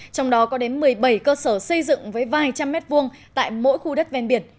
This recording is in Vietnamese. trong đó có đến một mươi bảy cơ sở xây dựng với vài trăm mét vuông tại mỗi khu đất ven biển